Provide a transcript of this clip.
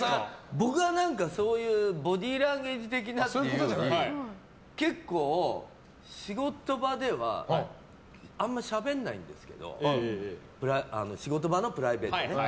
僕はそういうボディーランゲージ的なっていうより結構、仕事場ではあんまりしゃべんないんですけど仕事場のプライベートでね。